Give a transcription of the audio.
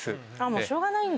しょうがないんだ。